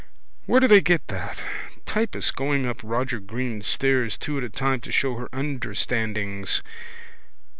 Where do they get that? Typist going up Roger Greene's stairs two at a time to show her understandings.